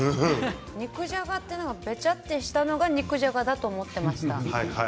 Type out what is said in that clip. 肉じゃがってべちゃっとしたのが肉じゃがだと思っていました。